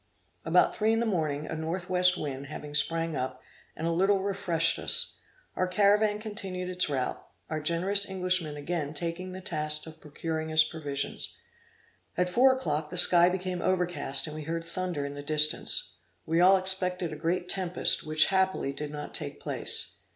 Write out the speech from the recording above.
About three in the morning, a northwest wind having sprang up and a little refreshed us, our caravan continued its route; our generous Englishman again taking the task of procuring us provisions. At four o'clock the sky became overcast, and we heard thunder in the distance. We all expected a great tempest, which happily did not take place.